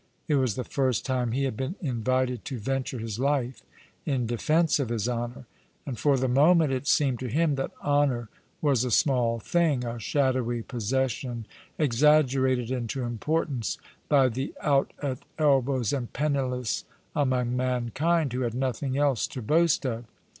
It was the first time he had been invited to venture his life in defence of his honour ; and for the moment it seemed to him that honour was a small thing, a shadowy possession exag gerated into importance by the out at elbows and penniless among mankind, who had nothing else to boast of.